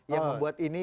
yang membuat ini